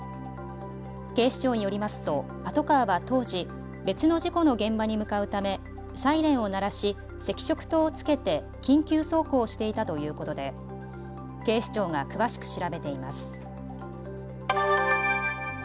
警視庁によりますとパトカーは当時、別の事故の現場に向かうためサイレンを鳴らし、赤色灯をつけて緊急走行をしていたということで警視庁が詳しく調べています。